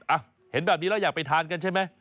เห็นแบบนี้แล้วอยากไปทานกันใช่ไหม